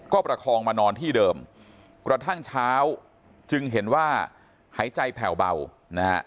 ก็ประคองมานอนที่เดิมกระทั่งเช้าจึงเห็นว่าหายใจแผ่วเบานะฮะ